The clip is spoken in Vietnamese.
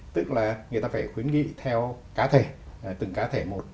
tức là người ta phải khuyến nghị theo cá thể từng cá thể một